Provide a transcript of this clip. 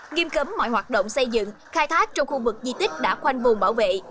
nghiêm cấm mọi hoạt động xây dựng khai thác trong khu vực di tích đã khoanh vùng bảo vệ